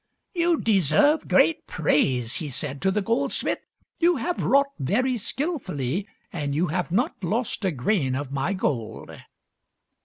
" You deserve great praise," he said to the gold smith. " You have wrought very skillfully and you have not lost a grain of my gold."